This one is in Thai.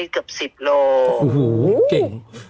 กับสิบโล